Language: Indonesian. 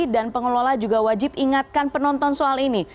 pengelola juga wajib ingatkan penonton soal ini